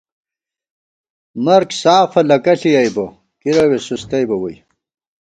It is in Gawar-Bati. مرگ سافہ لَکہ ݪِیَئیبہ، کِرَوےسُستَئیبہ ووئی